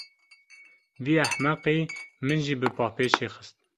Vî ehmeqî min jî bi bapêşê xist.